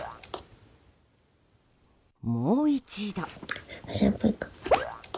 もう１度。